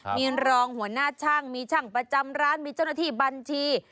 มีรองหัวหน้าช่างมีช่างประจำร้านมีเจ้าหน้าที่บัญชี